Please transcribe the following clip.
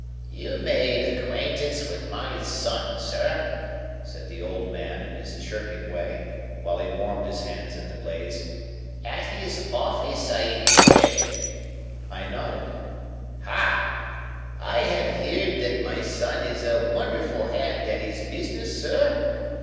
"You made acquaintance with my son, sir," said the old man, in his chirping way, while he warmed his hands at the blaze, "at his office, I expect?" I nodded. "Hah! I have heerd that my son is a wonderful hand at his business, sir?"